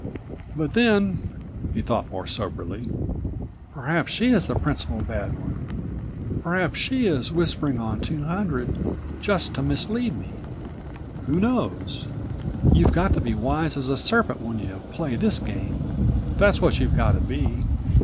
"But then," he thought more soberly, "perhaps she is the principal bad one. Perhaps she is whispering on 200 just to mislead me. Who knows? You've got to be wise as a serpent when you play this game, that's what you've got to be.